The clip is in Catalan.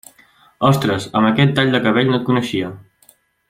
Ostres, amb aquest tall de cabell no et coneixia.